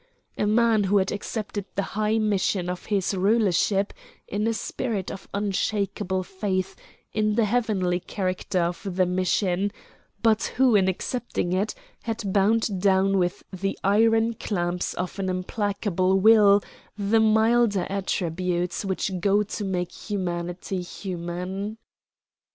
A man who had accepted the high mission of his rulership in a spirit of unshakable faith in the heavenly character of the mission, but who in accepting it had bound down with the iron clamps of an implacable will the milder attributes which go to make humanity human.